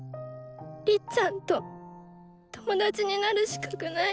りっちゃんと友達になる資格ない。